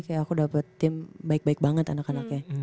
kayak aku dapet tim baik baik banget anak anaknya